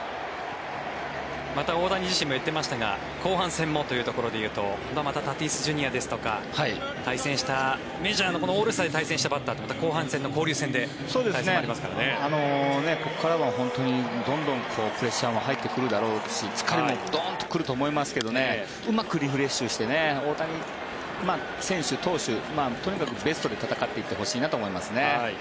また大谷自身が言っていましたが後半戦もというところで言いますと今度はまたタティスＪｒ．ですとかメジャーのオールスターで対戦したバッターとも後半の交流戦でここからは本当にどんどんプレッシャーも入ってくるだろうし疲れもドンと来ると思いますがうまくリフレッシュして大谷選手とにかくベストで戦っていってほしいなと思いますね。